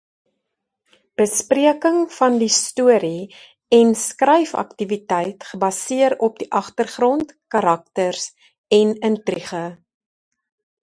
Bespreking van die storie en skryfaktiwiteit gebaseer op die agtergrond, karakters en intrige.